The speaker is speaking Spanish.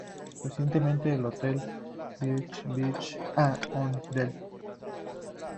Recientemente, el hotel abrió Beach Village at the Del.